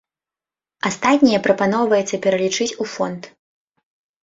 Астатняе прапануецца пералічыць у фонд.